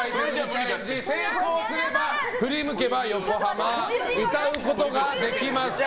成功すれば「ふりむけばヨコハマ」歌うことができます。